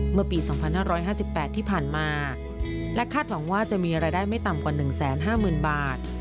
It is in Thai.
เมื่อปี๒๕๕๘ที่ผ่านมาและคาดหวังว่าจะมีรายได้ไม่ต่ำกว่า๑๕๐๐๐บาท